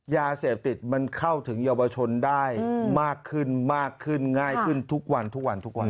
ยาเสพติดมันเข้าถึงเยาวชนได้มากขึ้นมากขึ้นง่ายขึ้นทุกวันทุกวันทุกวันทุกวัน